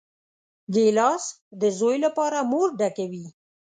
ګیلاس د زوی لپاره مور ډکوي.